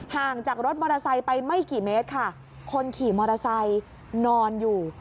ห่างจากรถมอเตอร์ไซค์ไปไม่กี่เมตรค่ะคนขี่มอเตอร์ไซค์นอนอยู่